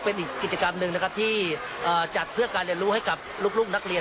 เป็นอีกกิจกรรมหนึ่งนะครับที่จัดเพื่อการเรียนรู้ให้กับลูกนักเรียน